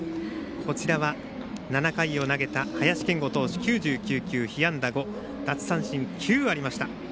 こちらは７回を投げた林謙吾投手９９球被安打５、奪三振９ありました。